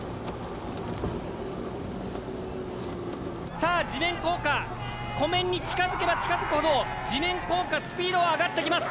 さあ地面効果湖面に近づけば近づくほど地面効果スピードは上がってきます。